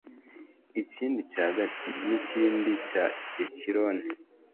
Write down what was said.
ikindi cya gati, n'ikindi cya ekironi